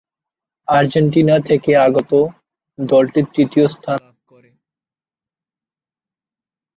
Argentina থেকে আগত দলটি তৃতীয় স্থান লাভ করে।